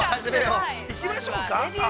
行きましょうか？